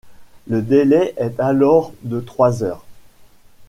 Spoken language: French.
Le délai est alors de trois heures.